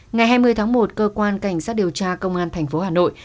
ngày hai mươi tháng một cơ quan cảnh sát điều tra công an thành phố hà nội